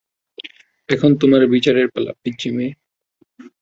এখন তোমার বিচারের পালা, পিচ্চি মেয়ে।